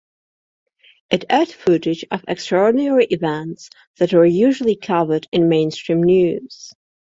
It aired footage of extraordinary events that were usually covered in mainstream news.